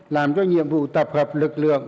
làm cho nhiệm vụ tập hợp lực lượng